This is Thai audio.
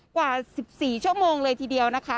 กว่า๑๔ชั่วโมงเลยทีเดียวนะคะ